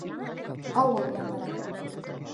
Ауыл яңыра